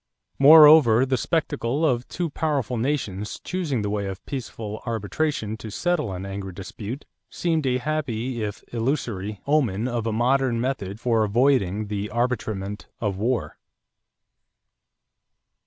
Moreover, the spectacle of two powerful nations choosing the way of peaceful arbitration to settle an angry dispute seemed a happy, if illusory, omen of a modern method for avoiding the arbitrament of war.